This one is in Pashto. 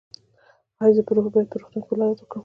ایا زه باید په روغتون کې ولادت وکړم؟